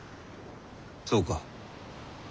そうか。